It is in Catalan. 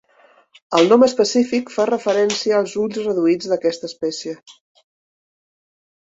El nom específic fa referència als ulls reduïts d'aquesta espècie.